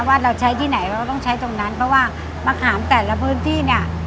ว่าเราใช้ที่ไหนเราก็ต้องใช้ตรงนั้นเพราะว่ามะขามแต่ละพื้นที่เนี่ย